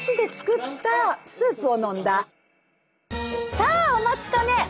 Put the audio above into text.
さあお待ちかね！